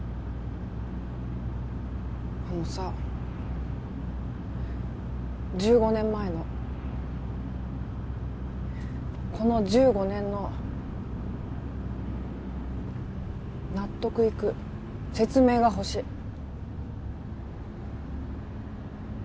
あのさ１５年前のこの１５年の納得いく説明がほしい